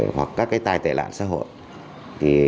hoặc các tài tài lạc xã hội